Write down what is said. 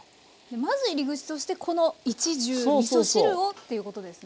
まず入り口としてこの一汁みそ汁をっていうことですね。